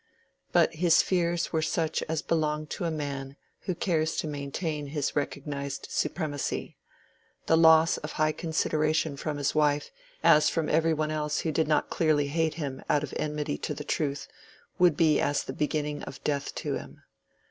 But his fears were such as belong to a man who cares to maintain his recognized supremacy: the loss of high consideration from his wife, as from every one else who did not clearly hate him out of enmity to the truth, would be as the beginning of death to him.